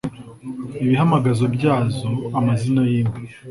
ibihamagazo byazo amazina y’inka